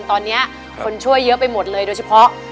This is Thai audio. ตอนนี้คนช่วยเยอะไปหมดเลยโดยเฉพาะ